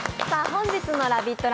本日のラヴィット！